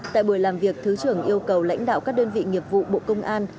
tại buổi làm việc thứ trưởng yêu cầu lãnh đạo các đơn vị nghiệp vụ bộ công an